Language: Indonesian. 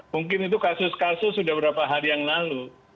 mungkin itu kasus kasus sudah beberapa hari yang lalu